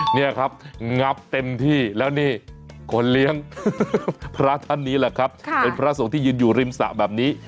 นี่ครับงับเต็มที่แล้วนี่คนเลี้ยงพระท่านนี้แหละครับเป็นพระสงฆ์ที่ยืนอยู่ริมสระแบบนี้